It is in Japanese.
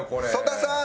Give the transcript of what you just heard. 曽田さん。